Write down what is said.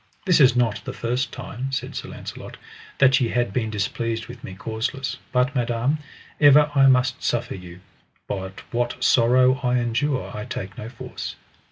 This is not the first time, said Sir Launcelot, that ye had been displeased with me causeless, but, madam, ever I must suffer you, but what sorrow I endure I take no force.